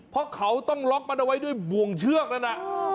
เพราะเขาต้องล็อกมันเอาไว้ด้วยบ่วงเชือกนั้นน่ะ